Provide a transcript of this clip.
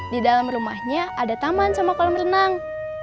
di dalam rumahnya ada taman sama kolam renang